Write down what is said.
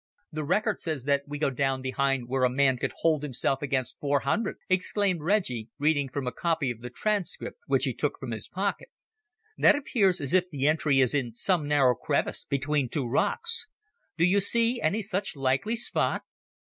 "The record says that we go down behind where a man can hold himself against four hundred," exclaimed Reggie, reading from a copy of the transcript which he took from his pocket. "That appears as if the entry is in some narrow crevice between two rocks. Do you see any such likely spot?"